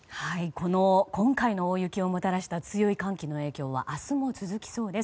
この今回の大雪をもたらした強い寒気の影響は明日も続きそうです。